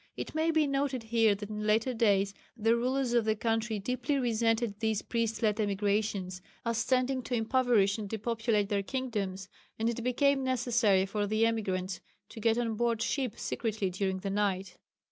It may be noted here that in later days the rulers of the country deeply resented these priest led emigrations, as tending to impoverish and depopulate their kingdoms, and it became necessary for the emigrants to get on board ship secretly during the night.